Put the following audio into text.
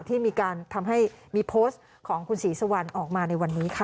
ที่มีการทำให้มีโพสต์ของคุณศรีสุวรรณออกมาในวันนี้ค่ะ